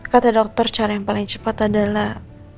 kata dokter cara yang paling cepat adalah